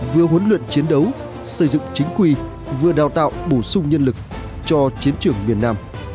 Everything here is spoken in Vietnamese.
vừa huấn luyện chiến đấu xây dựng chính quy vừa đào tạo bổ sung nhân lực cho chiến trường miền nam